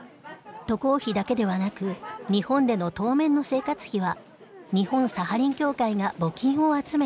渡航費だけではなく日本での当面の生活費は日本サハリン協会が募金を集めて捻出。